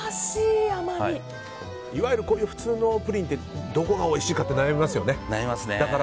いわゆる普通のプリンってどこがおいしいかって悩みますよね。